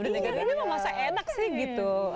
ini memang saya enak sih gitu